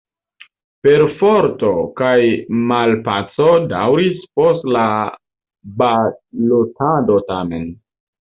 Perforto kaj malpaco daŭris post la balotado tamen.